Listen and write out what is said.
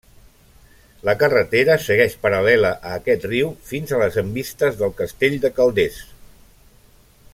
La carretera segueix paral·lela a aquest riu fins a les envistes del Castell de Calders.